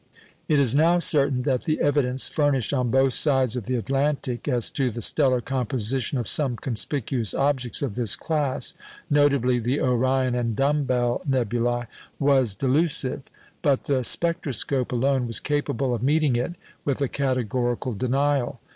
It is now certain that the evidence furnished on both sides of the Atlantic as to the stellar composition of some conspicuous objects of this class (notably the Orion and "Dumb bell" nebulæ) was delusive; but the spectroscope alone was capable of meeting it with a categorical denial.